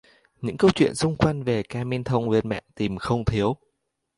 Những câu chuyện xung quanh về Kamen thông lên mạng tìm không thiếu